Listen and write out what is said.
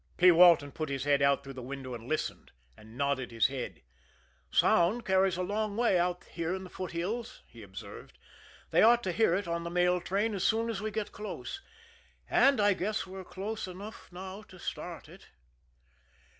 P. Walton put his head out through the window and listened and nodded his head. "Sound carries a long way out here in the foothills," he observed. "They ought to hear it on the mail train as soon as we get close and I guess we're close enough now to start it."